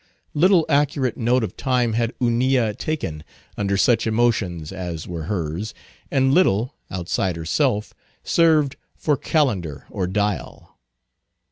Little accurate note of time had Hunilla taken under such emotions as were hers, and little, outside herself, served for calendar or dial.